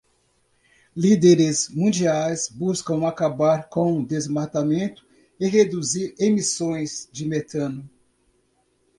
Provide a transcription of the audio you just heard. Líderes mundiais buscam acabar com desmatamento e reduzir emissões de metano